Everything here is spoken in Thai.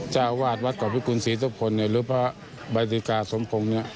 เจ้าวาดวัดกรพิกุณศรีทุกคนหรือพระบาทิกาสมภง